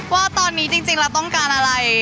ว่าตอนนี้จริงแล้วต้องการอะไร